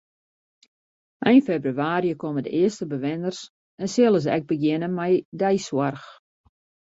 Ein febrewaarje komme de earste bewenners en sille se ek begjinne mei deisoarch.